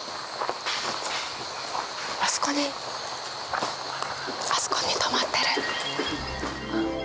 あそこにあそこに止まってる。